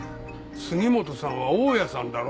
杉本さんは大家さんだろ？